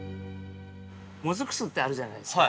モズク酢ってあるじゃないですか。